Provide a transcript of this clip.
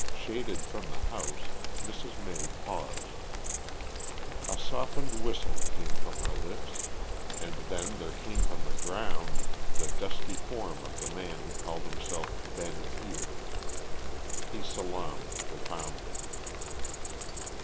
Shaded from the house, Mrs. May paused. A softened whistle came from her lips, and then there came from the ground the dusky form of the man who called himself Ben Heer. He salaamed profoundly.